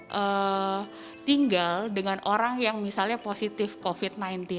jadi kalau misalnya hewan itu tinggal dengan orang yang misalnya positif covid sembilan belas